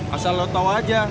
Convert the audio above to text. asal lo tau aja